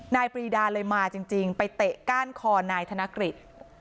ปรีดาเลยมาจริงไปเตะก้านคอนายธนกฤษ